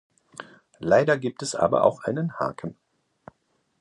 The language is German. Leider gibt es aber auch einen Haken.